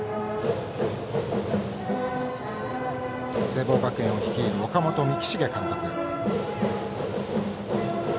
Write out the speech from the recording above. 聖望学園を率いるのは岡本幹成監督。